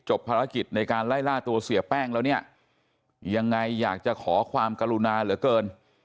ภารกิจในการไล่ล่าตัวเสียแป้งแล้วเนี่ยยังไงอยากจะขอความกรุณาเหลือเกิน